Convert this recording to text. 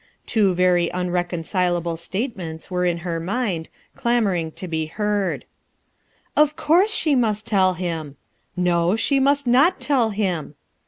Two very unrcconcilablo NtatcmcntH were in her mind clamoring to be heard, "Of course she must toll him!" "No, she must ml tell him!"